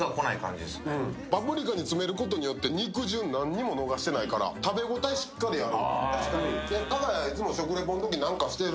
パプリカに詰めることによって肉汁何にも逃してないから、食べ応え、しっかりある。